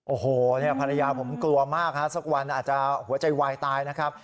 โอโหผมสักวันกลัวมากครับสักวันอาจจะหัวใจว่ายตายนะครับ